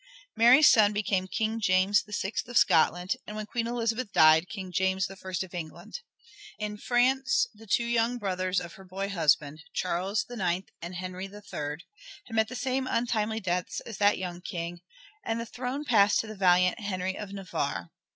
Mary's son became King James VI of Scotland, and when Queen Elizabeth died King James I of England. In France the two young brothers of her boy husband, Charles IX and Henry III, had met the same untimely deaths as that young King, and the throne passed to the valiant Henry of Navarre.